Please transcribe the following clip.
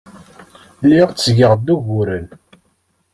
Lliɣ ttgeɣ-d uguren.